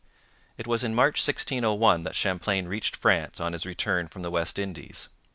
It was in March 1601 that Champlain reached France on his return from the West Indies.